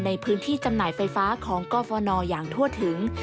ในพื้นที่จำหน่ายไฟฟ้าของกรฟนอย่างทั่วถึง